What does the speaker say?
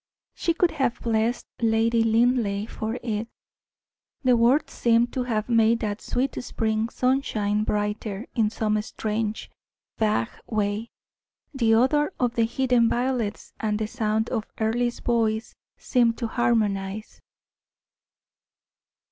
She could have blessed Lady Linleigh for it. The words seemed to have made that sweet spring sunshine brighter in some strange, vague way the odor of the hidden violets and the sound of Earle's voice seemed to harmonize.